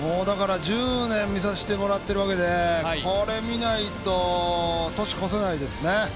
１０年見させてもらっているわけで、これを見ないと年越せないです。